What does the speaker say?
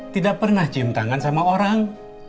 tidak pernah cium tangan sama orang